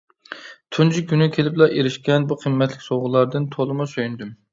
تۇنجى كۈنى كېلىپلا ئېرىشكەن بۇ قىممەتلىك سوۋغىلاردىن تولىمۇ سۆيۈندۈم.